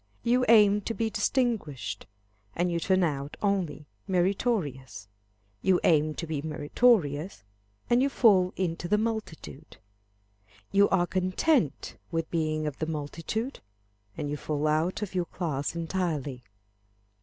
You aim to be distinguished, and you turn out only meritorious. You aim to be meritorious, and you fall into the multitude. You are content with being of the multitude, and you fall out of your class entirely.